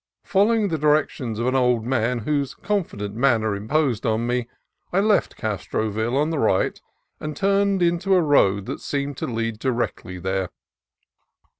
Following the directions of an old man whose confident manner imposed on me, I left Castroville on the right, and turned into a road that seemed to lead directly there.